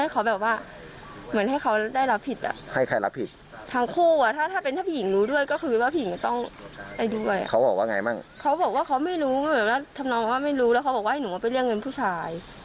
เขาบอกว่าให้หนูมาไปเรียกเงินผู้ชาย